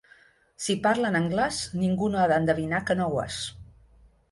Si parla en anglès ningú no ha d'endevinar que no ho és.